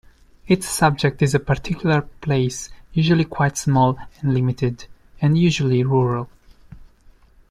Its subject is a particular place, usually quite small and limited, and usually rural.